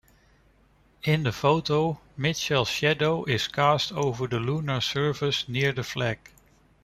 In the photo Mitchell's shadow is cast over the lunar surface near the flag.